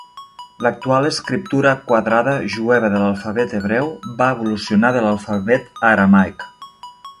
L'actual "escriptura quadrada" jueva de l'alfabet hebreu va evolucionar de l'alfabet aramaic.